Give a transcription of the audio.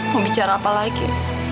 mau bicara apa lagi